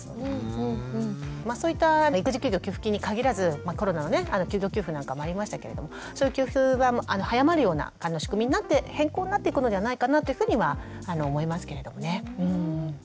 そういった育児休業寄付金に限らずコロナのね休業給付なんかもありましたけれどもそういう給付は早まるような仕組みになって変更になっていくのではないかなというふうには思いますけれどもね。